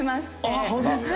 あっ本当ですか？